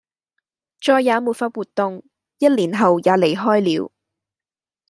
再也沒法活動；一年後也離開了